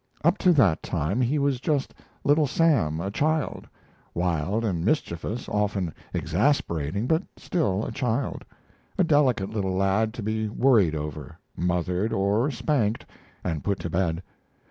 Up to that time he was just Little Sam, a child wild, and mischievous, often exasperating, but still a child a delicate little lad to be worried over, mothered, or spanked and put to bed.